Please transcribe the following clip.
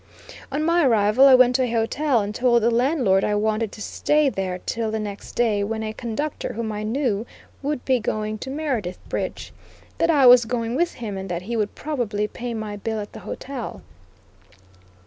On my arrival I went to a hotel and told the landlord I wanted to stay there till the next day, when a conductor whom I knew would be going to Meredith Bridge; that I was going with him, and that he would probably pay my bill at the hotel.